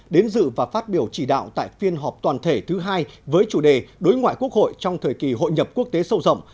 đến dự và phát biểu chỉ đạo tại phiên họp toàn thể thứ hai với chủ đề đối ngoại quốc hội trong thời kỳ hội nhập quốc tế sâu rộng